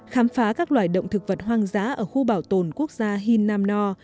khám phá các loài động thực vật hoang dã ở khu bảo tồn quốc gia hinnam no